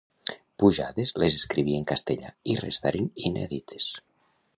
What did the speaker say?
Pujades les escriví en castellà i restaren inèdites.